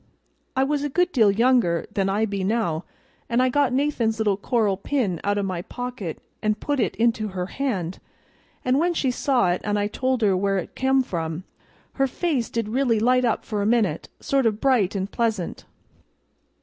I was a good deal younger then than I be now, and I got Nathan's little coral pin out o' my pocket and put it into her hand; and when she saw it and I told her where it come from, her face did really light up for a minute, sort of bright an' pleasant.